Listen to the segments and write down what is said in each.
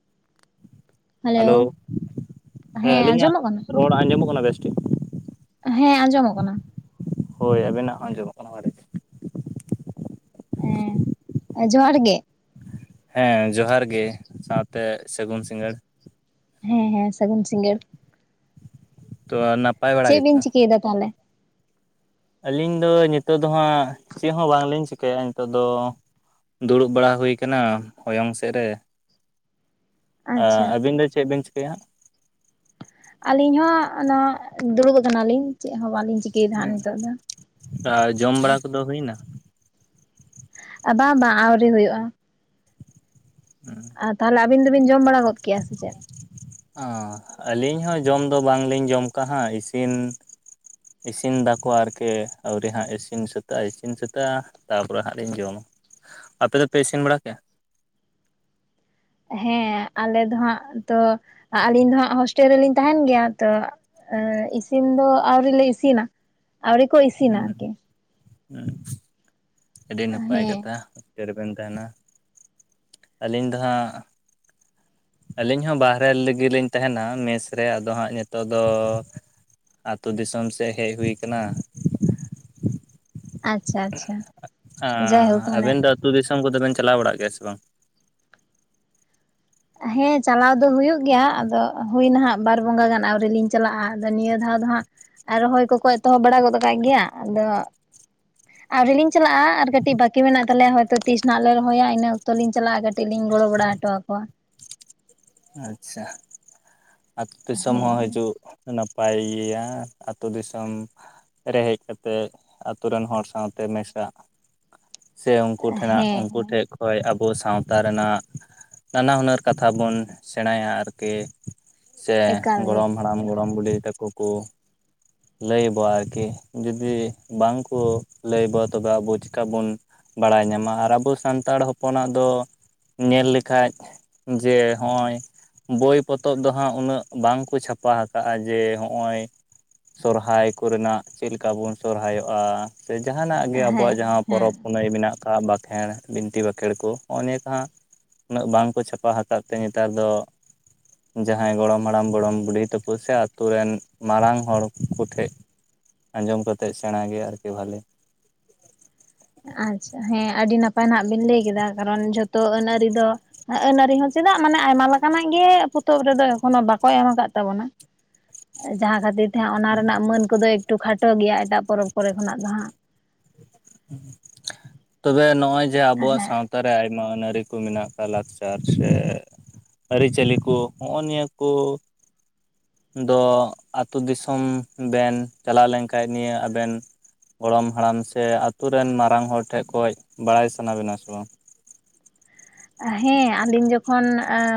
[inaudible] Hello, ᱦᱮᱸ ᱟᱸᱡᱚᱢᱚᱜ ᱠᱟᱱᱟ ᱟᱹᱞᱤᱧᱟᱜ ᱨᱚᱲ ᱟᱸᱡᱚᱢᱚᱜ ᱠᱟᱱᱟ ᱵᱮᱥ ᱴᱷᱤᱠ? ᱦᱮᱸ, ᱟᱸᱡᱚᱢᱚᱜ ᱠᱟᱱᱟ। ᱦᱳᱭ ᱟᱵᱤᱱᱟᱜ ᱦᱚᱸ ᱟᱸᱡᱚᱢᱚᱜ ᱠᱟᱱᱟ ᱵᱷᱟᱞᱮ ᱜᱮ᱾ ᱦᱮᱸ, ᱡᱚᱦᱟᱨ ᱜᱮ। ᱦᱮᱸ ᱡᱚᱦᱟᱨ ᱜᱮ᱾ ᱥᱟᱶᱛᱮ ᱥᱟᱹᱜᱩᱱ ᱥᱤᱜᱟᱹᱲ। ᱦᱮᱸ ᱦᱮᱸ, ᱥᱟᱜᱩᱱ ᱥᱤᱜᱟᱹᱲ। ᱛᱚ ᱟᱨ ᱱᱟᱯ ᱪᱮᱜ ᱵᱤᱱ ᱪᱤᱠᱟᱹᱭᱮᱫᱟ ᱛᱟᱦᱟᱞᱮ? ᱟᱹᱞᱤᱧ ᱫᱚ ᱱᱤᱛᱚᱜ ᱫᱚ ᱦᱟᱸᱜ, ᱪᱮᱜ ᱦᱚᱸ ᱵᱟᱝᱞᱤᱧ ᱪᱤᱠᱟᱹᱭᱟ ᱱᱤᱛᱚᱜ ᱫᱚ। ᱫᱩᱲᱩᱵ ᱵᱟᱲᱟ ᱦᱩᱭ ᱠᱟᱱᱟ ᱦᱚᱭᱚᱝ ᱥᱮᱜ ᱨᱮ। ᱟᱪᱪᱷᱟ ᱟᱹᱵᱤᱱ ᱫᱚ ᱪᱮᱜ ᱵᱤᱱ ᱪᱤᱠᱟᱹᱭᱟ? ᱟᱞᱤᱧ ᱦᱚᱸ ᱱᱟ ᱫᱩᱲᱩᱵ ᱠᱟᱱᱟᱞᱤᱧ, ᱪᱮᱜ ᱦᱚᱸ ᱵᱟᱞᱤᱧ ᱪᱤᱠᱟᱹᱭᱮᱫᱟᱜ ᱱᱤᱛᱚᱜ ᱫᱚ᱾ ᱟᱨ ᱡᱚᱢ ᱵᱟᱲᱟ ᱠᱚᱫᱚ ᱦᱩᱭᱮᱱᱟ? ᱟᱵᱟ ᱵᱟ ᱟᱣᱨᱤ ᱦᱳᱭᱳᱜ-ᱟ᱾ [unintelligible] ᱛᱟᱦᱚᱞᱮ ᱟᱵᱤᱱ ᱫᱚᱵᱤᱱ ᱡᱚᱢ ᱵᱟᱲᱟ ᱜᱚᱫ ᱠᱮᱭᱟ ᱥᱮ ᱪᱮᱫ? ᱚ ᱟᱹᱞᱤᱧ ᱦᱚᱸ ᱡᱚᱢ ᱫᱚ ᱵᱟᱝᱞᱤᱧ ᱡᱚᱢ ᱠᱟᱜ-ᱟ ᱦᱟᱜ ᱤᱥᱤᱱ ᱤᱥᱤᱱ ᱫᱟᱠᱚ ᱟᱨᱠᱤ ᱟᱹᱣᱨᱤ ᱦᱟᱸᱜ ᱤᱥᱤᱱ ᱥᱟᱹᱛᱟᱹᱜ-ᱟ ᱤᱥᱤᱱ ᱥᱟᱹᱛᱟᱹᱜ-ᱟ᱾ ᱛᱟᱯᱚᱨᱮ ᱦᱟᱸᱜ ᱞᱤᱧ ᱡᱚᱢᱟ, ᱟᱯᱮ ᱫᱚᱯᱮ ᱤᱥᱤᱱ ᱵᱟᱲᱟ ᱠᱮᱜ-ᱟ? ᱦᱮᱸ ᱟᱞᱮ ᱫᱚ ᱦᱟᱸᱜ ᱛᱚ ᱟᱹᱞᱤᱧ ᱫᱚ ᱦᱟᱸᱜ ᱦᱳᱥᱴᱮᱞ ᱨᱮᱞᱤᱧ ᱛᱟᱦᱮᱱ ᱜᱮᱭᱟ, ᱛᱚ ᱮ ᱤᱥᱤᱱ ᱫᱚ ᱟᱣᱨᱤ ᱞᱮ ᱤᱥᱤᱱᱟ ᱟᱣᱨᱤ ᱠᱚ ᱤᱥᱤᱱᱟ ᱟᱨᱠᱤ। ᱦᱮᱸ ᱟᱹᱰᱤ ᱱᱟᱯᱟᱭ ᱦᱮᱸ ᱠᱟᱛᱷᱟ। ᱦᱚᱥᱴᱮᱞ ᱨᱮ ᱵᱮᱱ ᱛᱟᱦᱮᱱᱟ, ᱟᱹᱞᱤᱧ ᱫᱚ ᱦᱟᱸᱜ ᱟᱹᱞᱤᱧ ᱦᱚᱸ ᱵᱟᱦᱨᱮ ᱨᱮ ᱜᱮ ᱞᱤᱧ ᱛᱟᱦᱮᱱᱟ ᱢᱮᱥ ᱨᱮ, ᱟᱫᱚ ᱦᱟᱸᱜ ᱱᱤᱛᱚᱜ ᱫᱚ ᱟᱛᱩ ᱫᱤᱥᱚᱢ ᱥᱮᱫ ᱦᱮᱡ ᱦᱩᱭ ᱠᱟᱱᱟ᱾ ᱟᱪᱪᱷᱟ ᱟᱪᱪᱷᱟ᱾ ᱡᱟᱭᱦᱳᱠ ᱦᱟᱸ ᱢᱟᱱᱮ ᱟᱵᱮᱱ ᱫᱚ ᱟᱹᱛᱩ ᱫᱤᱥᱚᱢ ᱠᱚᱫᱚ ᱵᱮᱱ ᱪᱟᱞᱟᱣ ᱵᱟᱲᱟᱜ ᱜᱮᱭᱟ ᱥᱮ ᱵᱟᱝ? ᱦᱮᱸ ᱪᱟᱞᱟᱣ ᱫᱚ ᱦᱩᱭᱩᱜ ᱜᱮᱭᱟ ᱟᱫᱚ ᱦᱩᱭᱱᱟ ᱦᱟᱸᱜ ᱵᱟᱨ ᱵᱚᱸᱜᱟ ᱜᱟᱱ ᱟᱹᱣᱨᱤ ᱞᱤᱧ ᱪᱟᱞᱟᱜ-ᱟ, ᱟᱫᱚ ᱱᱤᱭᱟᱹ ᱫᱷᱟᱣ ᱫᱚ ᱦᱟᱸᱜ ᱟᱨ ᱨᱚᱦᱚᱭ ᱠᱚᱠᱚ ᱮᱛᱚᱦᱚᱵ ᱵᱟᱲᱟ ᱜᱚᱫ ᱠᱟᱜ ᱜᱮᱭᱟ, ᱟᱫᱚ ᱟᱣᱨᱤ ᱞᱤᱧ ᱪᱟᱞᱟᱜ-ᱟ ᱟᱨ ᱠᱟᱹᱴᱤᱡ ᱵᱟᱠᱤ ᱢᱮᱱᱟᱜ ᱛᱟᱞᱮᱭᱟ ᱦᱚᱭᱛᱚ ᱛᱤᱥ ᱱᱟᱦᱟᱜ ᱞᱮ ᱨᱚᱦᱚᱭᱟ ᱤᱱᱟᱹ ᱚᱠᱛᱚᱞᱤᱧ ᱪᱟᱞᱟᱜ-ᱟ ᱠᱟᱹᱴᱤᱡ ᱞᱤᱧ ᱜᱚᱲᱚ ᱵᱟᱲᱟ ᱦᱚᱴᱚ ᱟᱠᱚᱣᱟ᱾ ᱟᱪᱪᱷᱟ, ᱟᱛᱩ ᱫᱤᱥᱚᱢ ᱦᱚᱸ ᱦᱤᱡᱩᱜ ᱱᱟᱯᱟᱭ ᱜᱮᱭᱟ ᱟᱛᱩ ᱫᱤᱥᱚᱢ ᱨᱮ ᱦᱮᱡ ᱠᱟᱛᱮ ᱟᱛᱩ ᱨᱮᱱ ᱦᱚᱲ ᱥᱟᱶᱛᱮ ᱢᱮᱥᱟᱜ᱾ ᱥᱮ ᱩᱱᱠᱩ ᱴᱷᱮᱱᱟᱜ ᱦᱮᱸ ᱩᱱᱠᱩ ᱴᱷᱮᱡ ᱦᱳᱭ ᱟᱵᱚ ᱥᱟᱶᱛᱟ ᱨᱮᱱᱟᱜ ᱱᱟᱱᱟ ᱦᱩᱱᱟᱹᱨ ᱠᱟᱛᱷᱟ ᱵᱚᱱ ᱥᱮᱬᱟᱭᱟ ᱟᱨᱠᱤ᱾ ᱥᱮ ᱮᱠᱟᱞ ᱜᱮ ᱜᱚᱲᱚᱢ ᱮᱠᱟᱞ ᱦᱟᱲᱟᱢ ᱜᱮ ᱜᱚᱲᱚᱢ ᱵᱩᱰᱦᱤ ᱛᱟᱠᱦ ᱠᱩ᱾ [inaudible] ᱞᱟᱹᱭᱟᱵᱚᱣᱟ ᱟᱨᱠᱤ ᱡᱩᱫᱤ ᱵᱟᱝᱠᱚ ᱞᱟᱹᱭᱵᱚ ᱛᱚᱵᱮ ᱟᱵᱚ ᱪᱤᱠᱟᱛᱮᱵᱚᱱ ᱵᱟᱲᱟᱭ ᱧᱟᱢᱟ ᱟᱨ ᱟᱵᱚ ᱥᱟᱱᱛᱟᱲ ᱦᱚᱯᱚᱱᱟᱜ ᱫᱚ ᱧᱮᱞ ᱞᱮᱠᱷᱟᱡ ᱡᱮ ᱦᱚᱜ-ᱚᱭ ᱵᱳᱭ ᱯᱚᱛᱚᱵ ᱫᱚ ᱦᱟᱸᱜ ᱩᱱᱟᱹᱜ ᱵᱟᱝᱠᱚ ᱪᱷᱟᱯᱟ ᱦᱟᱠᱟᱜ-ᱟ ᱡᱮ ᱦᱚᱸᱜ-ᱚᱭ ᱥᱚᱨᱦᱟᱭ ᱠᱚᱨᱮᱱᱟᱜ ᱪᱮᱜᱞᱮᱠᱟ ᱵᱚᱱ ᱥᱚᱨᱦᱟᱭᱚᱜ-ᱟ, ᱥᱮ ᱡᱟᱦᱟᱱᱟᱜ ᱜᱮ ᱟᱵᱚᱣᱟᱜ ᱦᱮᱸ ᱡᱟᱦᱟᱸ ᱦᱮᱸ ᱯᱚᱨᱚᱵᱽ᱾ ᱯᱩᱱᱟᱹᱭ ᱢᱮᱱᱟᱜ ᱟᱠᱟᱫ ᱵᱟᱸᱠᱷᱮᱲ ᱵᱤᱱᱛᱤ ᱵᱟᱸᱠᱷᱮᱲ ᱠᱚ ᱦᱚᱨᱚᱭᱟ ᱱᱤᱭᱟᱹ ᱠᱚᱦᱟᱜᱼᱼ ᱩᱱᱟᱹᱜ ᱵᱟᱝᱠᱚ ᱪᱷᱟᱯᱟ ᱟᱠᱟᱫ ᱛᱮ ᱱᱮᱛᱟᱨ ᱫᱚ, ᱡᱟᱦᱟᱸᱭ ᱜᱚᱲᱚᱢ ᱦᱟᱲᱟᱢ ᱜᱚᱲᱚᱢ ᱵᱩᱰᱷᱤ ᱛᱟᱠᱚ ᱥᱮ ᱟᱛᱳ ᱨᱮᱱ ᱢᱟᱨᱟᱝ ᱦᱚᱲ ᱠᱚᱴᱷᱮᱜ, ᱟᱸᱡᱚᱢ ᱠᱟᱛᱮᱫ ᱥᱮᱬᱟ ᱜᱮ ᱟᱨᱠᱤ ᱵᱷᱟᱞᱮ᱾ ᱟᱪᱪᱷᱟ ᱦᱮᱸ ᱟᱹᱰᱤ ᱱᱟᱯᱟᱭ ᱱᱟᱜ ᱵᱤᱱ ᱞᱟᱹᱭ ᱠᱮᱫᱟ ᱠᱟᱨᱚᱱ ᱡᱷᱚᱛᱚ ᱟᱹᱱ ᱟᱹᱨᱤ ᱫᱚᱼᱼ ᱟᱹᱱ ᱟᱹᱨᱤ ᱦᱚᱸ ᱪᱮᱫᱟᱜ ᱢᱟᱱᱮ ᱟᱭᱢᱟ ᱞᱮᱠᱟᱱᱟᱜ ᱜᱮ ᱯᱚᱛᱚᱵ ᱨᱮᱫᱚ ᱮᱠᱷᱚᱱᱚ ᱵᱟᱠᱚ ᱮᱢ ᱟᱠᱟᱫ ᱛᱟᱵᱚᱱᱟᱼᱼ ᱡᱟᱦᱟᱸ ᱠᱷᱟᱹᱛᱤᱨ ᱛᱮᱟᱸᱜ ᱚᱱᱟ ᱨᱮᱱᱟᱜ ᱢᱟᱹᱱ ᱠᱚᱫᱚ ᱮᱠᱴᱩ ᱠᱷᱟᱴᱚ ᱜᱮᱭᱟ ᱮᱴᱟᱜ ᱯᱚᱨᱚᱵᱽ ᱠᱚᱨᱮ ᱠᱷᱚᱱᱟᱜ ᱫᱚ ᱦᱟᱸᱜᱼᱼ ᱛᱚᱵᱮ ᱱᱚᱜᱼᱚᱭ ᱡᱮ ᱟᱵᱚᱣᱟᱜ ᱥᱟᱶᱛᱼᱼ ᱦᱮᱸ ᱥᱟᱣᱛᱟ ᱨᱮ ᱟᱭᱢᱟ ᱟᱹᱱ ᱟᱹᱨᱤ ᱠᱚ ᱢᱮᱱᱟᱜ ᱟᱠᱟᱫ ᱞᱟᱠᱪᱟᱨ ᱥᱮᱼᱼ ᱟᱹᱨᱤᱪᱟᱹᱞᱤ ᱠᱩ ᱦᱚᱜᱼᱚᱭ ᱱᱤᱭᱟᱹ ᱠᱩᱼᱼ ᱫᱚ ᱟᱹᱛᱩ ᱫᱤᱥᱚᱢ ᱵᱮᱱ ᱪᱟᱞᱟᱣ ᱞᱮᱱᱠᱷᱟᱱ ᱱᱤᱭᱟᱹ ᱟᱵᱮᱱᱼᱼ ᱜᱚᱲᱚᱢ ᱦᱟᱲᱟᱢ ᱥᱮ ᱟᱛᱳ ᱨᱮᱱ ᱢᱟᱨᱟᱝ ᱦᱚᱲ ᱴᱷᱮᱱ ᱠᱷᱚᱡ ᱵᱟᱲᱟᱭ ᱥᱟᱱᱟ ᱵᱤᱱᱟ ᱥᱮ ᱵᱟᱝ, ᱦᱮᱸ ᱟᱹᱞᱤᱧ ᱡᱚᱠᱷᱚᱱ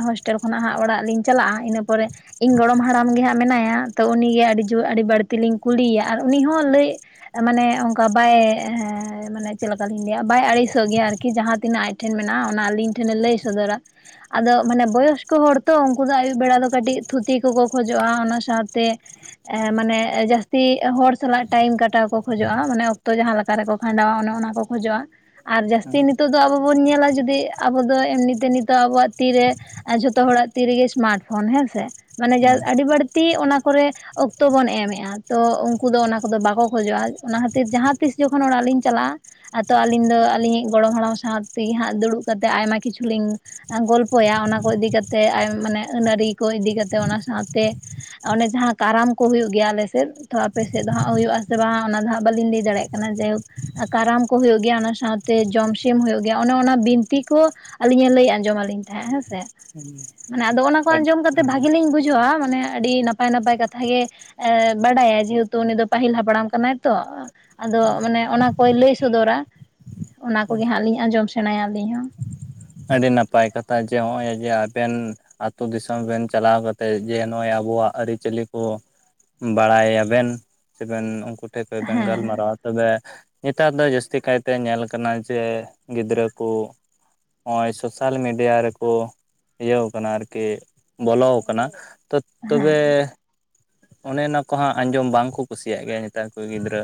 ᱦᱚᱳᱥᱴᱮᱞ ᱠᱷᱚᱱᱟᱜ ᱦᱟᱸᱜ ᱚᱲᱟᱜ ᱞᱤᱧ ᱪᱟᱞᱟᱜᱼᱟ ᱤᱱᱟᱹ ᱯᱚᱨᱮᱼᱼ ᱤᱧ ᱜᱚᱲᱚᱢ ᱦᱟᱲᱟᱢ ᱜᱮ ᱦᱟᱸᱜᱼᱼ ᱢᱮᱱᱟᱭᱟ ᱛᱚ ᱩᱱᱤᱜᱮ ᱟᱹᱰᱤ ᱡᱳᱨ ᱟᱹᱰᱤ ᱵᱟᱹᱲᱛᱤ ᱞᱤᱧ ᱠᱩᱞᱤᱭᱮᱭᱟ ᱟᱨ ᱩᱱᱤ ᱦᱚᱸ ᱞᱟᱹᱭᱼᱼ ᱢᱟᱱᱮ ᱚᱱᱠᱟ ᱵᱟᱭ ᱢᱟᱱᱮ ᱪᱮᱫᱠᱟᱞᱤᱤᱧ ᱞᱟᱹᱭᱟ ᱵᱟᱭ ᱟᱹᱲᱤᱥᱚᱜ ᱜᱮᱭᱟ ᱟᱨᱠᱤᱼᱼ ᱠᱤ ᱡᱟᱦᱟᱸ ᱛᱤᱱᱟᱹᱜ ᱟᱡ ᱴᱷᱮᱱ ᱢᱮᱱᱟᱜᱼᱟ ᱚᱱᱟ ᱟᱞᱤᱧ ᱴᱷᱮᱱᱮ ᱞᱟᱹᱭ ᱥᱚᱫᱚᱨᱟᱼᱼ ᱟᱫᱚ ᱢᱟᱱᱮ ᱵᱚᱭᱚᱥᱠᱚ ᱦᱚᱲ ᱛᱚ ᱩᱱᱠᱩ ᱫᱚ ᱟᱹᱭᱩᱵ ᱵᱮᱲᱟ ᱫᱚ ᱠᱟᱹᱴᱤᱡ ᱛᱷᱩᱛᱤ ᱠᱚᱠᱚ ᱠᱷᱚᱡᱚᱜᱼᱟ ᱚᱱᱟ ᱥᱟᱶᱛᱮᱼᱼ ᱢᱟᱱᱮ ᱡᱟᱹᱥᱛᱤ ᱦᱚᱲ ᱥᱟᱞᱟᱜ ᱴᱟᱭᱤᱢ ᱠᱟᱴᱟᱣ ᱠᱚ ᱠᱷᱚᱡᱚᱜᱼᱟ ᱢᱟᱱᱮ ᱚᱠᱛᱚ ᱡᱟᱦᱟᱸ ᱞᱮᱠᱟᱼᱼ ᱚᱠᱟ ᱨᱮᱠᱚ ᱠᱷᱟᱸᱰᱟᱣᱟ ᱚᱱᱮ ᱚᱱᱟ ᱠᱚ ᱠᱷᱚᱡᱚᱜᱼᱟ ᱟᱨ ᱡᱟᱹᱥᱛᱤ ᱱᱤᱛᱚᱜ ᱫᱚ ᱟᱵᱚ ᱵᱚᱱ ᱧᱮᱞᱟ ᱡᱩᱫᱤᱼᱼ ᱟᱵᱚ ᱫᱚ ᱮᱢᱱᱤᱛᱮ ᱱᱤᱛᱚᱜ ᱟᱵᱚᱣᱟᱜ ᱛᱤᱨᱮ ᱡᱷᱚᱛᱚ ᱦᱚᱲᱟᱜ ᱛᱤᱨᱮᱜᱮ ᱥᱢᱟᱨᱴ ᱯᱷᱳᱱ ᱦᱮᱸᱥᱮᱼᱼ ᱢᱟᱱᱮ ᱟᱹᱰᱤ ᱵᱟᱹᱲᱛᱤ ᱚᱱᱟ ᱠᱚᱨᱮᱼᱼ ᱚᱠᱛᱚ ᱵᱚᱱ ᱮᱢᱮᱜᱼᱟ ᱛᱚ ᱩᱱᱠᱩ ᱫᱚ ᱚᱱᱟ ᱠᱚᱫᱚ ᱵᱟᱠᱚ ᱠᱷᱚᱡᱚᱜᱼᱟ ᱚᱱᱟ ᱠᱷᱟᱹᱛᱤᱨ ᱡᱟᱦᱟᱸ ᱛᱤᱥ ᱡᱚᱠᱷᱚᱱ ᱚᱲᱟᱜ ᱞᱤᱧ ᱪᱟᱞᱟᱜᱼᱟ᱾ ᱟᱫᱚ ᱟᱹᱞᱤᱧ ᱫᱚ ᱟᱹᱞᱤᱧᱤᱡ ᱜᱚᱲᱚᱢ ᱦᱟᱲᱟᱢ ᱥᱟᱶ ᱛᱮᱜᱮ ᱦᱟᱸᱜ ᱫᱩᱲᱩᱵ ᱠᱟᱛᱮᱜ ᱟᱭᱢᱟ ᱠᱤᱪᱷᱩ ᱞᱤᱧᱼᱼ ᱜᱚᱞᱯᱚᱭᱟ ᱚᱱᱟ ᱠᱚ ᱤᱫᱤ ᱠᱟᱛᱮᱜ ᱢᱟᱱᱮ ᱟᱹᱱ ᱟᱹᱨᱤ ᱠᱚ ᱤᱫᱤ ᱠᱟᱛᱮᱜ ᱚᱱᱟ ᱥᱟᱶᱛᱮᱼᱼ ᱚᱱᱮ ᱡᱟᱦᱟᱸ ᱠᱟᱨᱟᱢ ᱠᱚ ᱦᱩᱭᱩᱜ ᱜᱮᱭᱟ ᱟᱞᱮᱥᱮᱫ ᱛᱚ ᱟᱯᱮ ᱥᱮᱫ ᱫᱚ ᱦᱟᱜ ᱦᱩᱭᱩᱜ ᱟᱥᱮ ᱵᱟᱝ ᱚᱱᱟ ᱫᱚ ᱦᱟᱸᱜ ᱵᱟᱹᱞᱤᱧ ᱞᱟᱹᱭ ᱫᱟᱲᱮᱭᱟᱜᱼᱼ ᱡᱟᱭᱦᱳᱠ ᱠᱟᱨᱟᱢ ᱠᱚ ᱦᱳᱭᱳᱜ ᱜᱮᱭᱟ ᱚᱱᱟ ᱥᱟᱶᱛᱮ ᱡᱚᱢᱥᱤᱢ ᱦᱳᱭᱳᱜ ᱜᱮᱭᱟ ᱚᱱᱮ ᱚᱱᱟ ᱵᱤᱱᱼᱼ ᱛᱤ ᱠᱚ ᱟᱹᱞᱤᱧᱮ ᱞᱟᱹᱭ ᱟᱸᱡᱚᱢ ᱟᱞᱤᱧ ᱛᱟᱦᱮᱸᱫ ᱦᱮᱸᱥᱮᱸ᱾ ᱦᱩᱸ᱾ [inaudible] ᱢᱟᱱᱮ ᱟᱫᱚ ᱚᱱᱟ ᱠᱚ ᱟᱸᱡᱚᱢ ᱠᱟᱛᱮ ᱵᱷᱟᱜᱤ ᱞᱤᱧ ᱵᱩᱡᱷᱟᱹᱣᱟ ᱢᱟᱱᱮ ᱟᱹᱰᱤ ᱱᱟᱯᱟᱭ ᱱᱟᱯᱟᱭ ᱠᱟᱛᱷᱟ ᱜᱮᱼᱼ ᱮᱻ ᱵᱟᱰᱟᱭᱟ ᱡᱮᱦᱮᱛᱩ ᱩᱱᱤ ᱫᱚ ᱯᱟᱹᱦᱤᱞ ᱦᱟᱯᱲᱟᱢ ᱠᱟᱱᱟᱭ ᱛᱚ᱾ ᱟᱫᱚ ᱢᱟᱱᱮ ᱚᱱᱟ ᱠᱚᱭ ᱞᱟᱹᱭ ᱥᱚᱫᱚᱨᱟ ᱚᱱᱟ ᱠᱚᱜᱮ ᱦᱟᱸᱜ ᱞᱤᱧ ᱟᱸᱡᱚᱢ ᱥᱮᱬᱟᱭᱟ ᱟᱹᱞᱤᱧ ᱦᱚᱸ᱾ ᱟᱹᱰᱤ ᱱᱟᱯᱟᱭ ᱠᱟᱛᱷᱟ ᱡᱮ ᱱᱚᱜᱼᱚᱭ ᱡᱮ ᱟᱵᱮᱱᱼᱼ ᱟᱹᱛᱩ ᱫᱤᱥᱚᱢ ᱵᱮᱱ ᱪᱟᱞᱟᱣ ᱠᱟᱛᱮᱫ ᱡᱮ ᱱᱚᱜᱼᱚᱭ ᱟᱵᱚᱣᱟᱜ ᱟᱹᱨᱤᱪᱟᱹᱞᱤ ᱠᱚᱼᱼ ᱵᱟᱲᱟᱭᱟᱵᱮᱱ ᱥᱮᱵᱮᱱ ᱩᱱᱠᱩ ᱴᱷᱮᱱ ᱠᱷᱚᱱ ᱵᱮᱱ ᱦᱮᱸ ᱜᱟᱞᱢᱟᱨᱟᱣᱟ᱾ ᱛᱚᱵᱮ ᱱᱮᱛᱟᱨ ᱫᱚ ᱡᱟᱹᱥᱛᱤ ᱠᱟᱭᱛᱮ ᱧᱮᱞ ᱠᱟᱱᱟ ᱡᱮ ᱜᱤᱫᱽᱨᱟᱹ ᱠᱩᱼᱼ ᱱᱚᱜᱼᱚᱭ ᱥᱳᱥᱟᱞ ᱢᱤᱰᱤᱭᱟ ᱨᱮᱠᱚ ᱤᱭᱟ. ᱣ ᱠᱟᱱᱟ ᱟᱨᱠᱤ ᱵᱚᱞᱚᱣ ᱠᱟᱱᱟ᱾ ᱦᱮᱸ ᱛᱚᱵᱮ ᱚᱱᱮ ᱚᱱᱟ ᱠᱚ ᱦᱟᱸᱜ ᱟᱸᱡᱚᱢ ᱵᱟᱝᱠᱚ ᱠᱩᱥᱤᱭᱟᱜ ᱜᱮᱭᱟ ᱱᱮᱛᱟᱨ ᱠᱚ ᱜᱤᱫᱽᱨᱟᱹ᱾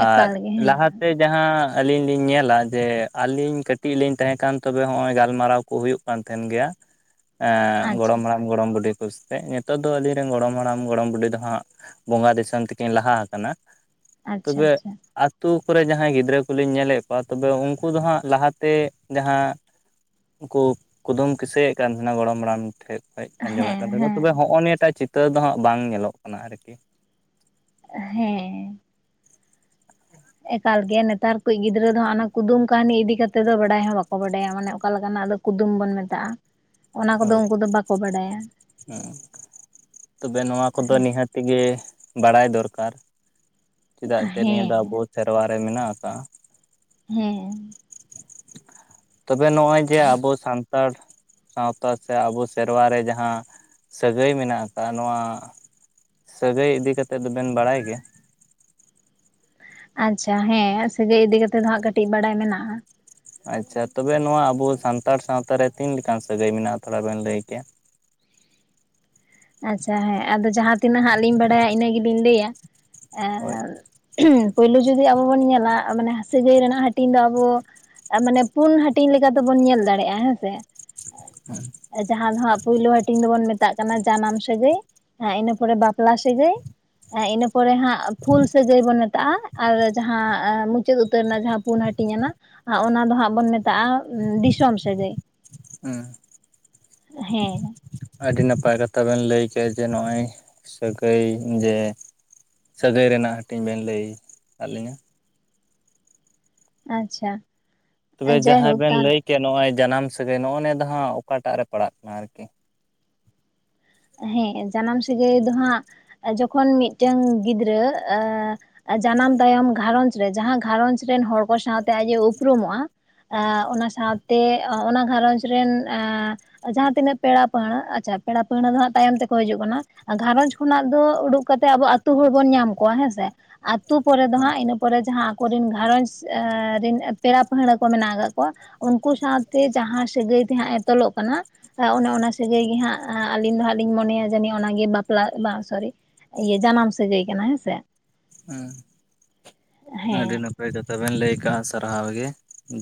ᱟᱨ ᱮᱠᱟᱞ ᱜᱮ ᱦᱮᱸ ᱞᱟᱦᱟᱛᱮ ᱡᱟᱦᱟᱸ ᱟᱹᱞᱤᱧ ᱞᱤᱧ ᱧᱮᱞᱟ ᱡᱮ ᱟᱹᱞᱤᱧ ᱠᱟᱹᱴᱤᱡ ᱞᱤᱧᱼᱼ ᱛᱟᱦᱮᱸ ᱠᱟᱱ ᱛᱚᱵᱮ ᱦᱚᱸᱜ-ᱚᱭ ᱜᱟᱞᱢᱟᱨᱟᱣ ᱠᱚ ᱦᱩᱭᱩᱜ ᱠᱟᱱ ᱛᱟᱦᱮᱸᱱ ᱜᱮᱭᱟ ᱦᱮ ᱟᱪᱪᱷᱟ ᱜᱚᱲᱚᱢ ᱦᱟᱲᱟᱢᱼᱼ ᱜᱚᱲᱚᱢ ᱵᱩᱰᱷᱤ ᱠᱚᱥᱮᱛᱮ ᱱᱤᱛᱚᱜ ᱫᱚ ᱟᱞᱤᱧ ᱨᱮᱱ ᱜᱚᱲᱚᱢ ᱦᱟᱲᱟᱢ ᱜᱚᱲᱚᱢ ᱵᱩᱰᱷᱤ ᱫᱚ ᱦᱟᱸᱜᱼᱼ ᱵᱚᱸᱜᱟ ᱫᱤᱥᱚᱢ ᱛᱮᱠᱤᱱ ᱞᱟᱦᱟ ᱟᱠᱟᱱᱟ ᱟᱪᱪᱷᱟ ᱛᱚᱵᱮᱼᱼ ᱟᱪᱪᱷᱟ ᱟᱛᱩ ᱠᱚᱨᱮ ᱡᱟᱦᱟᱸᱭ ᱜᱤᱫᱽᱨᱟᱹ ᱠᱚᱞᱤᱧ ᱧᱮᱞᱮᱫ ᱠᱚᱣᱟ ᱛᱚᱵᱮ ᱩᱱᱠᱩ ᱫᱚ ᱦᱟᱸᱜ ᱞᱟᱦᱟᱛᱮᱼᱼ ᱡᱟᱦᱟᱸ ᱩᱱᱠᱩ ᱠᱩᱫᱩᱢ ᱠᱤᱥᱟᱹᱭᱮᱫ ᱠᱟᱱ ᱛᱟᱦᱮᱱᱟ ᱜᱚᱲᱚᱢ ᱦᱟᱲᱟᱢ ᱴᱷᱮᱱ᱾ ᱟᱸᱡᱚᱢᱮᱫ ᱦᱮᱸ ᱠᱟᱱ ᱛᱟᱦᱮᱸ ᱦᱮᱸ ᱛᱚᱵᱮ ᱦᱚᱜᱼᱚᱭ ᱱᱤᱭᱟᱹ ᱴᱟᱜ ᱪᱤᱛᱟᱹᱨ ᱫᱚ ᱦᱟᱸᱜ ᱵᱟᱝ ᱧᱮᱞᱚᱜ ᱠᱟᱱᱟ ᱟᱨᱠᱤ᱾ ᱦᱮᱸ [inaudible] ᱮᱠᱟᱞ ᱜᱮ ᱱᱮᱛᱟᱨ ᱠᱚ ᱜᱤᱫᱽᱨᱟᱹ ᱫᱚ ᱦᱟᱸᱜ ᱚᱱᱟ ᱠᱩᱫᱩᱢ ᱠᱟᱹᱦᱱᱤ ᱤᱫᱤ ᱠᱟᱛᱮᱫ ᱫᱚ ᱵᱟᱰᱟᱭ ᱦᱚᱸ ᱵᱟᱠᱚ ᱵᱟᱰᱟᱭᱟ ᱢᱟᱱᱮ ᱚᱠᱟ ᱞᱮᱠᱟᱱᱟᱜ ᱫᱚ ᱠᱩᱫᱩᱢ ᱵᱚᱱ ᱢᱮᱛᱟᱜᱼᱟ᱾ ᱚᱱᱟ ᱠᱚᱫᱚ ᱦᱳᱭ ᱩᱱᱠᱩ ᱫᱚ ᱵᱟᱠᱚ ᱵᱟᱰᱟᱭᱟ ᱦᱮᱸ᱾ ᱛᱮᱜᱮ ᱵᱟᱲᱟᱭ ᱫᱚᱨᱠᱟᱨ ᱪᱮᱫᱟᱜ ᱡᱮ ᱱᱤᱭᱟᱹ ᱫᱚ ᱦᱮᱸ ᱟᱵᱚ ᱥᱮᱨᱣᱟ ᱨᱮ ᱢᱮᱱᱟᱜ ᱟᱠᱟᱜᱟ᱾ ᱦᱮᱸ ᱛᱚᱵᱮ ᱱᱚᱜᱚᱭ ᱡᱮ ᱟᱵᱚ ᱥᱟᱱᱛᱟᱲ ᱥᱟᱶᱛᱟ ᱥᱮ ᱟᱵᱚ ᱥᱮᱨᱣᱟ ᱨᱮ ᱡᱟᱦᱟᱸ ᱥᱟᱹᱜᱟᱹᱭ ᱢᱮᱱᱟᱜ ᱟᱠᱟᱫᱼᱟ ᱱᱚᱣᱟ ᱥᱟᱹᱜᱟᱹᱭ ᱤᱫᱤ ᱠᱟᱛᱮᱫ ᱫᱚᱵᱮᱱ ᱵᱟᱲᱟᱭ ᱜᱮᱭᱟ? ᱟᱪᱪᱷᱟ ᱦᱮᱸ ᱥᱟᱹᱜᱟᱹᱭ ᱤᱫᱤ ᱠᱟᱛᱮᱫ ᱫᱚ ᱦᱟᱸᱜ ᱠᱟᱹᱴᱤᱡ ᱵᱟᱲᱟᱭ ᱢᱮᱱᱟᱜᱼᱟ᱾ ᱟᱪᱪᱷᱟ ᱛᱚᱵᱮ ᱱᱚᱣᱟ ᱟᱵᱚ ᱥᱟᱱᱛᱟᱲ ᱥᱟᱶᱛᱟᱨᱮ ᱛᱤᱱᱞᱮᱠᱟᱱ ᱥᱟᱹᱜᱟᱹᱭ ᱢᱮᱱᱟᱜᱼᱟ ᱛᱷᱚᱲᱟ ᱵᱮᱱ ᱞᱟᱹᱭ ᱠᱮᱭᱟ? ᱟᱪᱪᱷᱟ ᱦᱮᱸ ᱟᱫᱚ ᱡᱟᱦᱟᱸ ᱛᱤᱱᱟᱹᱜ ᱦᱟᱸᱜ ᱞᱤᱧ ᱵᱟᱲᱟᱭᱟ ᱤᱱᱟᱹ ᱜᱮᱞᱤᱧ ᱞᱟᱹᱭᱟ ᱮ ᱦᱳᱭ ᱯᱳᱭᱞᱳ ᱡᱩᱫᱤ ᱟᱵᱚ ᱵᱚᱱ ᱧᱮᱞᱟ ᱢᱟᱱᱮ ᱦᱟᱹᱥᱤ ᱜᱟᱹᱭ ᱨᱮᱱᱟᱜ ᱦᱟᱹᱴᱤᱧ ᱫᱚ ᱟᱵᱚ ᱢᱟᱱᱮ ᱯᱩᱱ ᱦᱟᱹᱴᱤᱧ ᱞᱮᱠᱟ ᱛᱮᱵᱚᱱ ᱧᱮᱞ ᱫᱟᱲᱮᱭᱟᱜᱼᱟ ᱦᱮᱸᱥᱮ᱾ ᱦᱮᱸ᱾ ᱡᱟᱦᱟᱸ ᱫᱚ ᱦᱟᱸᱜ ᱯᱩᱭᱞᱳ ᱦᱟᱹᱴᱤᱧ ᱫᱚᱵᱚᱱ ᱢᱮᱛᱟᱜ ᱠᱟᱱᱟ ᱡᱟᱱᱟᱢ ᱥᱟᱹᱜᱟᱹᱭ ᱤᱱᱟᱹ ᱯᱚᱨᱮ ᱵᱟᱯᱞᱟ ᱥᱟᱹᱜᱟᱹᱭ ᱤᱱᱟᱹ ᱯᱚᱨᱮ ᱦᱟᱸᱜ ᱯᱷᱩᱞ ᱥᱟ. ᱜᱟᱭ ᱵᱚᱱ ᱢᱮᱛ ᱛᱟᱜᱟ ᱟᱨ ᱡᱟᱦᱟᱸ ᱢᱩᱪᱟᱹᱫ ᱩᱛᱟᱹᱨ ᱨᱮᱱᱟᱜ ᱡᱟᱦᱟᱸ ᱯᱩᱱ ᱦᱟᱹᱴᱤᱧ ᱚᱱᱟ ᱟᱨ ᱚᱱᱟ ᱫᱚ ᱦᱟᱸᱜ ᱵᱚᱱ ᱢᱮᱛᱟᱜᱼᱟ ᱫᱤᱥᱚᱢ ᱥᱟᱹᱜᱟᱹᱭ᱾ ᱦᱮᱸ ᱦᱮᱸ ᱟᱹᱰᱤ ᱱᱟᱯᱟᱭ ᱠᱟᱛᱷᱟ ᱵᱮᱱ ᱞᱟᱹᱭ ᱠᱮᱫ ᱡᱮ ᱱᱚᱜᱚᱭ ᱥᱟᱹᱜᱟᱹᱭ ᱡᱮ ᱥᱟᱹᱜᱟᱹᱭ ᱨᱮᱱᱟᱜ ᱦᱟᱹᱴᱤᱧ ᱵᱮᱱ ᱞᱟᱹᱭ ᱟᱫ ᱞᱤᱧᱟ ᱟᱪᱪᱷᱟ ᱛᱚᱵᱮ ᱡᱟᱦᱟᱸᱭ ᱡᱟᱭᱦᱳᱠ ᱵᱮᱱ ᱛᱟᱦᱚᱞᱮ ᱞᱟᱹᱭ ᱠᱮᱫ ᱱᱚᱜ-ᱚᱭ ᱡᱟᱱᱟᱢ ᱥᱟᱹᱜᱟᱹᱭ ᱱᱚᱜᱚ ᱱᱤᱭᱟᱹ ᱫᱚ ᱦᱟᱸᱜ ᱚᱠᱟᱴᱟᱜ ᱨᱮ ᱯᱟᱲᱟᱜ ᱠᱟᱱᱟ ᱟᱨᱠᱤ ᱦᱮᱸ ᱡᱟᱱᱟᱢ ᱥᱟᱹᱜᱟᱹᱭ ᱫᱚ ᱦᱟᱸᱜ ᱡᱚᱠᱷᱚᱱ ᱢᱤᱫᱴᱟᱱ ᱜᱤᱫᱽᱨᱟᱹ ᱟ ᱡᱟᱱᱟᱢ ᱛᱟᱭᱚᱢ ᱜᱷᱟᱨᱚᱸᱣᱡᱽ ᱨᱮ ᱡᱟᱦᱟᱸ ᱜᱷᱟᱨᱚᱸᱧᱡᱽ ᱨᱮᱱ ᱦᱚᱲ ᱠᱚ ᱥᱟᱶᱛᱮ ᱟᱡ ᱮ ᱩᱯᱨᱩᱢᱚᱜ-ᱟ ᱟ ᱚᱱᱟ ᱥᱟᱶᱛᱮ ᱚᱱᱟ ᱜᱷᱟᱨᱚᱸᱡᱽ ᱨᱮᱱ ᱟᱺ ᱡᱟᱦᱟᱸ ᱛᱤᱱᱟᱹᱜ ᱯᱮᱲᱟ ᱯᱟᱹᱦᱲᱟᱹ ᱟᱪᱪᱷᱟ ᱯᱮᱲᱟ ᱯᱟᱹᱲᱦᱟᱹ ᱫᱚ ᱦᱟᱸᱜ ᱛᱟᱭᱚᱢ ᱛᱮᱠᱚ ᱦᱤᱡᱩᱜ ᱠᱟᱱᱟ ᱜᱷᱟᱨᱚᱸᱧᱡᱽ ᱠᱷᱚᱱᱟᱜ ᱫᱚ ᱩᱰᱩᱠ ᱠᱟᱛᱮᱫ ᱟᱵᱩ ᱟᱛᱩ ᱦᱚᱲ ᱵᱚᱱ ᱧᱟᱢ ᱠᱚᱣᱟ ᱦᱮᱸᱥᱮ ᱟᱛᱩ ᱯᱚᱨᱮ ᱫᱚ ᱦᱟᱸᱜ ᱤᱱᱟᱹ ᱯᱚᱨᱮ ᱡᱟᱦᱟᱸ ᱟᱠᱚᱨᱮᱱ ᱜᱷᱟᱨᱚᱸᱡᱽ ᱨᱮᱱ ᱯᱮᱲᱟ ᱯᱟᱹᱲᱦᱟᱹ ᱠᱚ ᱢᱮᱱᱟᱜ ᱟᱠᱟᱫ ᱠᱚᱣᱟ ᱩᱱᱠᱩ ᱥᱟᱶᱛᱮ ᱡᱟᱦᱟᱸ ᱥᱟᱹᱜᱟᱹᱭ ᱛᱮᱦᱟᱸᱜ ᱛᱚᱞᱚᱜ ᱠᱟᱱᱟ ᱚᱱᱮ ᱚᱱᱟ ᱥᱟᱹᱜᱟᱹᱭ ᱜᱮᱦᱟᱸᱜ ᱟᱹᱞᱤᱧ ᱫᱚ ᱦᱟᱸᱜ ᱞᱤᱧ ᱢᱚᱱᱮᱭᱟ ᱡᱟᱹᱱᱤᱡ ᱚᱱᱟᱜᱮ ᱵᱟᱯᱞᱟ ᱵᱟ ᱥᱚᱨᱤ ᱡᱟᱱᱟᱢ ᱥᱟᱹᱜᱟᱹᱭ ᱠᱟᱱᱟ ᱦᱮᱸᱥᱮ ᱦᱮᱸ ᱟᱹᱰᱤ ᱱᱟᱯ ᱯᱮ ᱡᱚᱛᱚ ᱵᱮᱱ ᱞᱟᱹᱭ ᱠᱟᱜ-ᱟ ᱥᱟᱨᱦᱟᱣ ᱜᱮ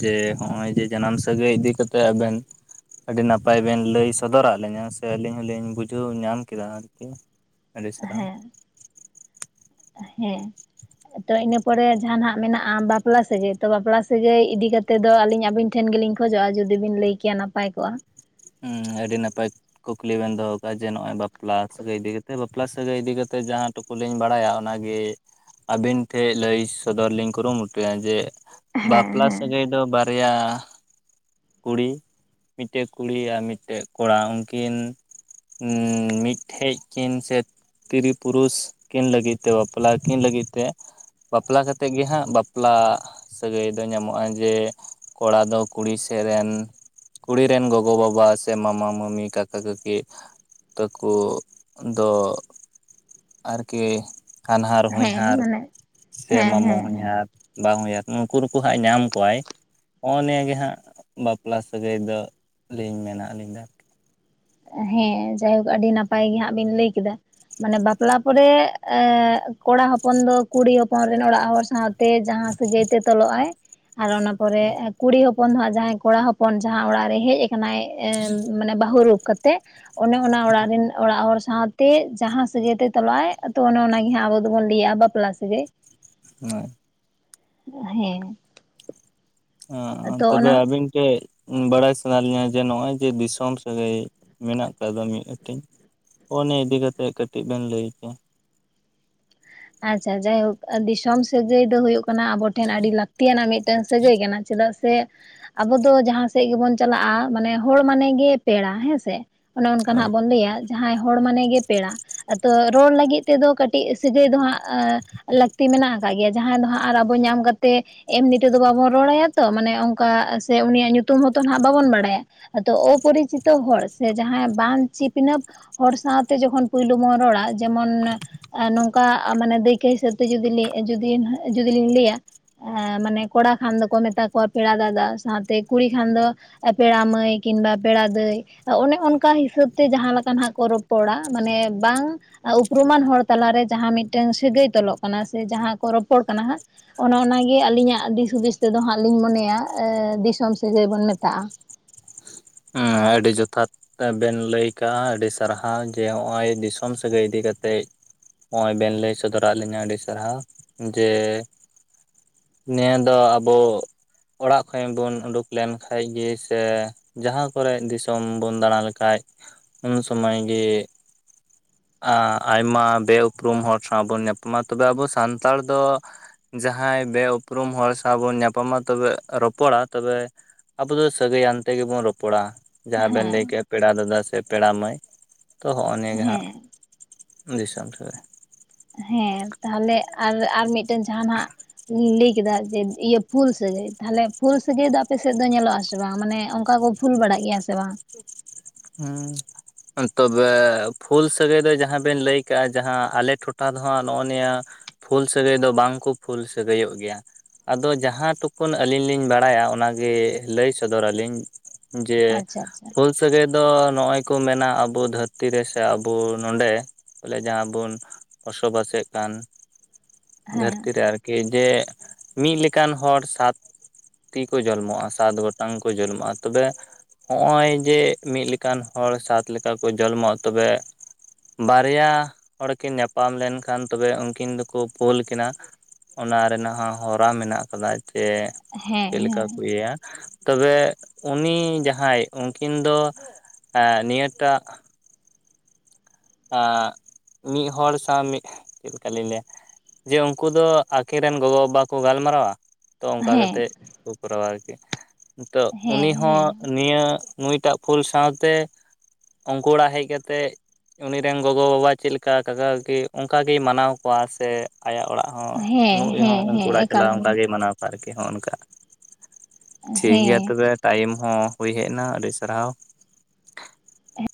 ᱡᱮ ᱦᱚᱜ-ᱚᱭ ᱡᱮ ᱡᱟᱱᱟᱢ ᱥᱟᱹᱜᱟᱹᱭ ᱤᱫᱤ ᱠᱟᱛᱮ ᱟᱵᱮᱱ ᱟᱹᱰᱤ ᱱᱟᱯᱟᱭ ᱵᱮᱱ ᱞᱟᱹᱭ ᱥᱚᱫᱚᱨᱟᱜ ᱞᱤᱧᱟᱹ ᱥᱮ ᱟᱹᱞᱤᱧ ᱦᱚᱞᱤᱧ ᱵᱩᱡᱷᱟᱹᱣ ᱧᱟᱢ ᱠᱮᱫᱟ ᱟᱨᱠᱤ ᱟᱹᱰᱤ ᱥᱟᱨᱟᱣ ᱦᱮᱸ ᱦᱮᱸ ᱛᱚ ᱤᱱᱟᱹ ᱯᱚᱨᱮ ᱡᱟᱦᱟᱸᱱᱟᱜ ᱢᱮᱱᱟᱜ-ᱟ ᱵᱟᱯᱞᱟ ᱥᱟᱹᱜᱟᱹᱭ ᱛᱚ ᱵᱟᱯᱞᱟ ᱥᱟᱹᱜᱟᱹᱭ ᱤᱫᱤ ᱠᱟᱛ ᱛᱮᱫᱚ ᱟᱹᱞᱤᱧ ᱟᱵᱤᱱ ᱴᱷᱮᱱ ᱜᱮᱞᱤᱧ ᱠᱷᱚᱡᱚᱜ-ᱟ ᱡᱩᱫᱤ ᱵᱤᱱ ᱞᱟᱹᱭ ᱠᱮᱭᱟ ᱱᱟᱯᱟᱭ ᱠᱚᱜ-ᱟ? ᱦᱩᱸ ᱟᱹᱰᱤ ᱱᱟᱯᱟᱭ ᱠᱩᱠᱞᱤ ᱵᱮᱱ ᱫᱚᱦᱚ ᱠᱟᱜ-ᱟ ᱡᱮ ᱱᱚᱜ-ᱚᱭ ᱵᱟᱯᱞᱟ ᱥᱟᱹᱜᱟᱹᱭ ᱤᱫᱤ ᱠᱟᱛᱮᱫ ᱵᱟᱯᱞᱟ ᱥᱟᱹᱜᱟᱹᱭ ᱤᱫᱤ ᱠᱟᱛᱮ ᱡᱟᱦᱟᱸ ᱴᱩᱠᱩ ᱞᱤᱧ ᱵᱟᱲᱟᱭᱟ ᱚᱱᱟᱜᱮ ᱟᱹᱵᱤᱱ ᱴᱷᱮᱡ ᱞᱟᱹᱭ ᱥᱚᱫᱚᱨ ᱞᱤᱧ ᱠᱩᱨᱩ ᱢᱩᱴᱩᱭᱟ ᱡᱮ ᱦᱮᱸ ᱵᱟᱯᱞᱟ ᱦᱮᱸ ᱥᱟᱹᱜᱟᱹᱭ ᱫᱚ ᱵᱟᱨᱭᱟ ᱟ ᱠᱩᱲᱤ ᱢᱤᱫᱴᱮᱡ ᱠᱩᱲᱤ ᱭᱟᱜ ᱢᱤᱫᱴᱮᱜ ᱠᱚᱲᱟ ᱩᱱᱠᱤᱱ ᱢᱤᱫᱴᱷᱮᱡ ᱠᱤᱱ ᱥᱮ ᱛᱤᱨᱤ ᱯᱩᱨᱩᱥ ᱠᱤᱱ ᱞᱟᱹᱜᱤᱫ ᱛᱮ ᱵᱟᱯᱞᱟ ᱠᱤᱱ ᱞᱟᱹᱜᱤᱫ ᱛᱮ᱾ ᱵᱟᱯᱞᱟ ᱠᱟᱛᱮ ᱜᱮ ᱦᱟᱸᱜ ᱵᱟᱯᱞᱟ ᱥᱟᱹᱜᱟᱹᱭ ᱫᱚ ᱧᱟᱢᱚᱜ-ᱟ, ᱡᱮ ᱠᱚᱲᱟ ᱫᱚ ᱠᱩᱲᱤ ᱥᱮᱜ ᱨᱮᱱ ᱠᱩᱲᱤ ᱨᱮᱱ ᱜᱚᱜᱚ ᱜᱚ ᱵᱟᱵᱟ ᱥᱮ ᱢᱟᱢᱟ ᱢᱟᱢᱤ ᱠᱟᱠᱟ ᱠᱟᱠᱤ᱾ ᱛᱟᱠᱩ ᱫᱚ ᱟᱨᱠᱤ᱾ ᱦᱟᱱᱦᱟᱨ ᱦᱮᱸ ᱦᱚᱧᱦᱟᱨ ᱢᱟᱱᱮ ᱥᱮ ᱦᱮᱸ ᱢᱟᱢᱚ ᱦᱮᱸ ᱦᱮᱸ ᱦᱚᱧᱦᱟᱨ᱾ ᱵᱟ ᱦᱚᱧᱦᱟᱨ ᱱᱩᱠᱩ ᱱᱩᱠᱩ ᱦᱟᱸᱜ ᱧᱟᱢ ᱠᱚᱣᱟᱭ, ᱦᱚᱜ-ᱚ ᱱᱤᱭᱟᱹ ᱜᱮ ᱦᱟᱸᱜ ᱵᱟᱯᱞᱟ ᱥᱟᱹᱜᱟᱹᱭ ᱫᱚ᱾ ᱞᱤᱧ ᱢᱮᱱᱟ ᱟᱹᱞᱤᱧ ᱫᱚ᱾ ᱦᱮᱸ ᱡᱟᱭᱦᱳᱠ ᱟᱹᱰᱤ ᱱᱟᱯᱟᱭ ᱜᱮ ᱦᱟᱸᱜ ᱵᱤᱱ ᱞᱟᱹᱭ ᱠᱮᱫᱟ᱾ ᱢᱟᱱᱮ ᱵᱟᱯᱞᱟ ᱯᱚᱨᱮ ᱮᱸᱻ ᱠᱚᱲᱟ ᱦᱚᱯᱚᱱ ᱫᱚ ᱠᱩᱲᱤ ᱦᱚᱯᱚᱱ ᱨᱮᱱ ᱚᱲᱟᱜ ᱦᱚᱲ ᱥᱟᱶᱛᱮ ᱡᱟᱦᱟᱸ ᱥᱟᱹᱜᱟᱹᱭ ᱛᱮ ᱛᱚᱞᱚᱜ-ᱟᱭ᱾ ᱟᱨ ᱚᱱᱟ ᱯᱚᱨᱮ ᱠᱩᱲᱤ ᱦᱚᱯᱚᱱ ᱫᱚ ᱦᱟᱸᱜ ᱡᱟᱦᱟᱸᱭ ᱠᱚᱲᱟ ᱦᱚᱯᱚᱱ ᱡᱟᱦᱟᱸ ᱚᱲᱟᱜ ᱨᱮᱭ ᱦᱮᱡ ᱠᱟᱱᱟᱭ᱾ ᱮ ᱢᱟᱱᱮ ᱵᱟᱹᱦᱩ ᱨᱩᱯ ᱠᱟᱛᱮᱫ ᱚᱱᱮ ᱚᱱᱟ ᱚᱲᱟᱜ ᱨᱮᱱ ᱚᱲᱟᱜ ᱦᱚᱲ ᱥᱟᱶᱛᱮ ᱡᱟᱦᱟᱸ ᱥᱟᱹᱜᱟᱹᱭᱛᱮ ᱛᱚᱞᱚᱜ-ᱟᱭ, ᱟᱫᱚ ᱚᱱᱮ ᱚᱱᱟᱜᱮ ᱦᱟᱸᱜ ᱟᱵᱚ ᱫᱚᱵᱚᱱ ᱞᱟᱹᱭᱟᱜ-ᱟ ᱵᱟᱯᱞᱟ ᱥᱟᱹᱜᱟᱹᱭ᱾ ᱦᱳᱭ᱾ ᱦᱮᱸ᱾ ᱚ ᱛᱚ ᱛᱚᱵᱮ ᱚᱱᱟ ᱟᱵᱤᱱ ᱴᱷᱮᱡ᱾ ᱵᱟᱲᱟᱭ ᱥᱟᱱᱟ ᱞᱤᱧᱟ ᱡᱮ ᱱᱚᱜ-ᱚᱭ ᱡᱮ ᱫᱤᱥᱚᱢ ᱥᱟᱹᱜᱟᱹᱭ ᱢᱮᱱᱟᱜ ᱟᱠᱟᱫ ᱫᱚ ᱢᱤᱫ ᱦᱟᱹᱴᱤᱧ᱾ ᱦᱚᱜ-ᱚ ᱱᱤᱭᱮ ᱤᱫᱤ ᱠᱟᱛᱮᱫ ᱠᱟᱹᱴᱤᱡ ᱵᱮᱱ ᱞᱟᱹᱭ ᱠᱮᱭᱟ᱾ ᱟᱪᱪᱷᱟ ᱡᱟᱭᱦᱳᱠ ᱫᱤᱥᱚᱢ ᱟᱨ ᱥᱟᱹᱜᱟᱹᱭ ᱫᱚ ᱦᱳᱭᱳᱜ ᱠᱟᱱᱟ, ᱟᱵᱚ ᱴᱷᱮᱱ ᱟᱹᱰᱤ ᱞᱟᱹᱠᱛᱤᱭᱟᱱᱟᱜ ᱢᱤᱫᱴᱟᱝ ᱥᱟᱹᱜᱟᱹᱭ ᱠᱟᱱᱟ ᱪᱮᱫᱟᱜ ᱥᱮ ᱟᱵᱚ ᱫᱚ ᱡᱟᱦᱟᱸ ᱥᱮᱜ ᱜᱮᱵᱚᱱ ᱪᱟᱞᱟᱜ-ᱟ ᱢᱟᱱᱮ ᱦᱚᱲ ᱢᱟᱱᱮ ᱜᱮ ᱯᱮᱲᱟ ᱦᱮᱸᱥᱮ᱾ ᱚᱱᱮ ᱚᱱᱠᱟ ᱦᱳᱭ ᱱᱟᱜ ᱵᱚᱱ ᱞᱟᱹᱭᱟ ᱡᱟᱦᱟᱸᱭ ᱦᱚᱲ ᱢᱟᱱᱮ ᱜᱮ ᱯᱮᱲᱟ, ᱟᱫᱚ ᱨᱚᱲ ᱞᱟᱹᱜᱤᱫ ᱛᱮᱫᱚ ᱠᱟᱹᱴᱤᱡ ᱥᱟᱹ ᱜᱟᱹᱭ ᱫᱚ ᱦᱟᱸᱜ ᱞᱟᱹᱠᱛᱤ ᱢᱮᱱᱟᱜ ᱟᱠᱟᱜ ᱜᱮᱭᱟ, ᱡᱟᱦᱟᱸᱭ ᱫᱚ ᱦᱟᱸᱜ ᱟᱨ ᱟᱵᱚ ᱧᱟᱢ ᱠᱟᱛᱮ ᱮᱢᱱᱤ ᱛᱮᱫᱚ ᱵᱟᱵᱚᱱ ᱨᱚᱲ ᱟᱭᱟ ᱛᱚ ᱢᱟᱱᱮ ᱚᱝᱠᱟ ᱥᱮ ᱩᱱᱤᱭᱟᱜ ᱧᱩᱛᱩᱢ ᱦᱚᱸᱛᱚ ᱱᱟᱦᱟᱜ ᱵᱟᱵᱚᱱ ᱵᱟᱲᱟᱭᱟ᱾ ᱟᱫᱚ ᱚᱯᱚᱨᱤᱪᱤᱛᱚ ᱦᱚᱲ ᱥᱮ ᱡᱟᱦᱟᱸᱭ ᱵᱟᱝ ᱪᱤᱯᱱᱟᱹᱯ᱾ ᱦᱚᱲ ᱥᱟᱶᱛᱮ ᱡᱚᱠᱷᱚᱱ ᱯᱩᱭᱞᱩ ᱵᱚᱱ ᱨᱚᱲᱟ, ᱡᱮᱢᱚᱱ ᱱᱚᱝ ᱠᱟ, ᱢᱟᱱᱮ ᱫᱟᱹᱭᱠᱟᱹ ᱦᱤᱥᱟᱹᱵ ᱛᱮ ᱡᱩᱫᱤ ᱡᱩᱫᱤ ᱡᱩᱫᱤ ᱞᱤᱧ ᱞᱟᱹᱭᱟ᱾ ᱢᱟᱱᱮ ᱠᱚᱲᱟ ᱠᱷᱟᱱ ᱫᱚᱠᱚ ᱢᱮᱛᱟ ᱠᱚᱣᱟ ᱯᱮᱲᱟ ᱫᱟᱫᱟ ᱥᱟᱶᱛᱮ ᱠᱩᱲᱤ ᱠᱷᱟᱱ ᱫᱚ ᱯᱮᱲᱟ ᱢᱟᱹᱭ ᱠᱤᱱᱵᱟ ᱯᱮᱲᱟ ᱫᱟᱹᱭ ᱚᱱᱮ ᱚᱱᱠᱟ ᱦᱤᱥᱟᱹᱵ ᱛᱮ ᱡᱟᱦᱟᱸ ᱞᱮᱠᱟ ᱱᱟᱜ ᱠᱚ ᱨᱚᱯᱚᱲᱟ, ᱢᱟᱱᱮ ᱵᱟᱝ ᱩᱯᱨᱩᱢᱟᱱ ᱦᱚᱲ ᱛᱟᱞᱟᱨᱮ ᱡᱟᱦᱟᱸ ᱢᱤᱫᱴᱟᱝ ᱥᱟᱹᱜᱟᱹᱭ ᱛᱚᱞᱚᱜ ᱠᱟᱱᱟ ᱥᱮ ᱡᱟᱦᱟᱸ ᱠᱚ ᱨᱚᱯᱚᱲ ᱠᱟᱱᱟ ᱦᱟᱸᱜ ᱚᱱᱮ ᱚᱱᱟᱜᱮ ᱟᱞᱤᱧᱟᱜ ᱫᱤᱥ ᱦᱩᱫᱤᱥ ᱛᱮᱫᱚ ᱦᱟᱸᱜ ᱞᱤᱧ ᱢᱚᱱᱮᱭᱟ, ᱫᱤᱥᱚᱢ ᱥᱟᱹᱜᱟᱹᱭ ᱵᱚᱱ ᱢᱮᱛᱟᱜ-ᱟ᱾ ᱟᱸᱻ, ᱟᱹᱰᱤ ᱡᱚᱛᱷᱟᱛ᱾ ᱵᱮᱱ ᱞᱟᱹᱭ ᱠᱟᱜ-ᱟ, ᱟᱰᱤ ᱥᱟᱨᱦᱟᱣ ᱡᱮ ᱦᱚᱜ-ᱚᱭ ᱫᱤᱥᱚᱢ ᱥᱟᱹᱜᱟᱹᱭ ᱤᱫᱤ ᱠᱟᱛᱮᱡ ᱦᱚᱜ-ᱚᱭ ᱵᱮᱱ ᱞᱟᱹᱭ ᱥᱚᱫᱚᱨᱟᱫ ᱞᱤᱧᱟᱹ ᱟᱰᱤ ᱥᱟᱨᱦᱟᱣ, ᱡᱮ ᱱᱤᱭᱟᱹ ᱫᱚ ᱟᱵᱚ ᱚᱲᱟᱜ ᱠᱷᱚᱡ ᱵᱚᱱ ᱩᱰᱩᱠ ᱞᱮᱱ ᱠᱷᱟᱱ ᱜᱮ ᱥᱮ ᱡᱟᱦᱟ ᱠᱚᱨᱮ ᱫᱤᱥᱚᱢ ᱵᱚᱱ ᱫᱟᱬᱟ ᱞᱮᱠᱷᱟᱡ ᱩᱱ ᱥᱚᱢᱚᱭ ᱜᱮ ᱟ ᱟᱭᱢᱟ ᱵᱮ-ᱩᱯᱨᱩᱢ ᱦᱚᱲ ᱥᱟᱶ ᱵᱚᱱ ᱧᱟᱯᱟᱢᱟ, ᱛᱚᱵᱮ ᱟᱵᱚ ᱥᱟᱱᱛᱟᱲ ᱫᱚ ᱡᱟᱦᱟᱸᱭ ᱵᱮ-ᱩᱯᱨᱩᱢ ᱦᱚᱲ ᱥᱟᱶ ᱵᱚᱱ ᱧᱟᱯᱟᱢᱟ, ᱛᱚᱵᱮ ᱨᱚᱯᱚᱲᱟ ᱛᱚᱵᱮ ᱟᱵᱚ ᱫᱚ ᱥᱟᱹᱜᱟᱹᱭ ᱟᱱ ᱛᱮᱜᱮ ᱵᱚᱱ ᱨᱚᱯ ᱯᱚᱲᱟ ᱡᱟᱦᱟᱸ ᱵᱮᱱ ᱞᱟᱹᱭ ᱦᱮᱸ ᱠᱮᱜ-ᱟ ᱯᱮᱲᱟ ᱫᱟᱫᱟ ᱥᱮ ᱯᱮᱲᱟ ᱢᱟᱹᱭ, ᱛᱚ ᱦᱚᱜ-ᱚ ᱱᱤᱭᱟᱹ ᱜᱮ ᱦᱟᱸᱜ᱾ ᱦᱮᱸ ᱫᱤᱥᱚᱢ ᱥᱟᱹᱜᱟᱹᱭ᱾ ᱦᱮᱸ ᱛᱟᱦᱚᱞᱮ ᱟᱨ ᱟᱨ ᱢᱤᱫᱴᱮᱱ ᱡᱟᱦᱟᱸ ᱱᱟᱜ ᱞᱤᱧ ᱞᱟᱹᱭ ᱠᱮᱫᱟ, ᱡᱮ ᱤᱭᱟᱹ ᱯᱷᱩᱞ ᱥᱟᱹᱜᱟᱹᱭ, ᱛᱟᱦᱞᱮ ᱯᱷᱩᱞ ᱥᱟᱹᱜᱟᱹᱭ ᱫᱚ ᱟᱯᱮ ᱥᱮᱫ ᱫᱚ ᱧᱮᱞᱚᱜ ᱟᱥᱮ ᱵᱟᱝ, ᱢᱟᱱᱮ ᱚᱱᱠᱟ ᱠᱚ ᱯᱷᱩᱞ ᱵᱟᱲᱟᱜ ᱜᱮᱭᱟ ᱥᱮ ᱵᱟᱝ? [inaudible] ᱦᱩᱸ ᱛᱚᱵᱮ ᱯᱷᱩᱞ ᱥᱟᱹᱜᱟᱹᱭ ᱫᱚ ᱡᱟᱸᱦᱟᱸ ᱵᱮᱱ ᱞᱟᱹᱭ ᱠᱟᱜᱼᱟ ᱡᱟᱸᱦᱟᱸ ᱟᱞᱮ ᱴᱚᱴᱷᱟ ᱫᱚ ᱦᱟᱸᱜ ᱱᱚᱜᱼᱚ ᱱᱤᱭᱟᱹ ᱯᱷᱩᱞ ᱥᱟᱹᱜᱟᱹᱭ ᱫᱚ ᱵᱟᱝ ᱠᱚ ᱯᱷᱩᱞ ᱥᱟᱹᱜᱟᱹᱭᱚᱜ ᱜᱮᱭᱟ᱾ ᱟᱫᱚ ᱡᱟᱸᱦᱟᱸ ᱴᱩᱠᱩᱩᱱ ᱟᱹᱞᱤᱧ ᱞᱤᱧ ᱵᱟᱲᱟᱭᱟ ᱚᱱᱟᱜᱮ ᱞᱟᱹᱭ ᱥᱚᱫᱚᱨ ᱟᱹᱞᱤᱧ᱾ ᱡᱮ ᱟᱪᱪᱷᱟ ᱟᱪᱪᱷᱟ ᱯᱷᱩᱞ ᱥᱟᱹᱜᱟᱹᱭ ᱫᱚ ᱱᱚᱜᱚᱭ ᱠᱚ ᱢᱮᱱᱟ ᱟᱵᱚ ᱫᱷᱟᱹᱨᱛᱤ ᱨᱮᱥᱮ ᱟᱵᱚ ᱱᱚᱰᱮ ᱵᱚᱞᱮ ᱡᱟᱦᱟᱸ ᱵᱚᱱ ᱵᱚᱥᱚᱵᱟᱥᱮᱫ ᱠᱟᱱ ᱫᱷᱟᱹᱨᱛᱤ ᱦᱮᱸ ᱨᱮ ᱟᱨᱠᱤ ᱡᱮ ᱢᱤᱫ ᱞᱮᱠᱟᱱ ᱦᱚᱲ ᱥᱟᱛ ᱛᱤ ᱠᱚ ᱡᱚᱱᱢᱚᱜᱼᱟ ᱥᱟᱛ ᱜᱚᱴᱟᱝ ᱠᱚ ᱡᱚᱱᱢᱚᱜᱼᱟ, ᱛᱚᱵᱮ ᱦᱚᱜᱼᱚᱭ ᱡᱮ ᱢᱤᱫ ᱞᱮᱠᱟᱱ ᱦᱚᱲ ᱥᱟᱛ ᱞᱮᱠᱟ ᱠᱚ ᱡᱚᱱᱢᱚᱜ ᱛᱚᱵᱮ ᱵᱟᱨᱭᱟ ᱦᱚᱲ ᱠᱤᱱ ᱧᱟᱯᱟᱢ ᱞᱮᱱᱠᱷᱟᱱ ᱛᱚᱵᱮ ᱩᱱᱠᱤᱱ ᱫᱚᱠᱚ ᱯᱳᱞ ᱠᱤᱱᱟ᱾ ᱚᱱᱟ ᱨᱮᱱᱟᱜ ᱦᱚᱸ ᱦᱚᱨᱟ ᱢᱮᱱᱟᱜ ᱟᱠᱟᱫᱟ ᱡᱮ ᱦᱮᱸ ᱪᱮᱫ ᱞᱮᱠᱟ ᱠᱚ ᱤᱭᱟᱹᱭᱟ, ᱛᱚᱵᱮ ᱩᱱᱤ ᱡᱟᱸᱦᱟᱸᱭ ᱩᱱᱠᱤᱱ ᱫᱚ ᱮ ᱱᱤᱭᱟᱹ ᱴᱟᱜ ᱢᱤᱫ ᱦᱚᱲ ᱥᱟᱶ ᱢᱤᱫ, ᱪᱮᱫ ᱞᱮᱠᱟ ᱞᱤᱧ ᱞᱟᱹᱭᱟ? ᱡᱮ ᱩᱱᱠᱩ ᱫᱚ ᱟᱹᱠᱤᱱ ᱨᱮᱱ ᱜᱚᱜᱚ ᱵᱟᱵᱟ ᱠᱚ ᱜᱟᱞᱢᱟᱨᱟᱣᱟ, ᱛᱚ ᱚᱱᱠᱟ ᱦᱮᱸ ᱠᱟᱛᱮᱜ ᱠᱚ ᱠᱚᱨᱟᱣᱟ ᱟᱨᱠᱤ, ᱛᱚ ᱦᱮᱸ ᱩᱱᱤ ᱦᱮᱸ ᱦᱚᱸ ᱦᱮᱸ ᱱᱤᱭᱟᱹ ᱱᱩᱭᱴᱟᱜ ᱯᱷᱩᱞ ᱥᱟᱶᱛᱮ ᱚᱝᱠᱩ ᱚᱲᱟᱜ ᱦᱮᱡ ᱠᱟᱛᱮᱫ ᱩᱱᱤ ᱨᱮᱱ ᱜᱚᱜᱚ ᱵᱟᱵᱟ ᱪᱤᱫ ᱞᱮᱠᱟ, ᱠᱟᱠᱟ ᱠᱟᱠᱤ ᱚᱱᱠᱟ ᱜᱮᱭ ᱢᱟᱱᱟᱣ ᱠᱚᱣᱟ ᱥᱮ ᱟᱭᱟᱜ ᱚᱲᱟᱜ ᱦᱚᱸ ᱦᱮᱸ ᱱᱩᱭ ᱦᱚᱸ ᱦᱮᱸ ᱩᱱᱠᱩ ᱦᱮᱸ ᱚᱲᱟᱜ ᱮᱠᱟᱞ ᱪᱟᱞᱟᱜ ᱚᱱᱠᱟ ᱜᱮ ᱜᱮᱭ ᱢᱟᱱᱟᱣ ᱟᱨᱠᱤ ᱦᱚᱸᱜ ᱱᱚᱝᱠᱟ, ᱴᱷᱤᱠ ᱜᱮᱭᱟ ᱦᱮᱸ ᱛᱚᱵᱮ ᱴᱟᱭᱤᱢ ᱦᱚᱸ ᱦᱩᱭ ᱦᱮᱡ ᱮᱱᱟ, ᱟᱹᱰᱤ ᱥᱟᱨᱦᱟᱣ᱾